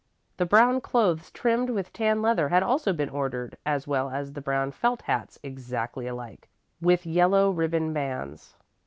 The brown clothes trimmed with tan leather had also been ordered, as well as the brown felt hats, exactly alike, with yellow ribbon bands.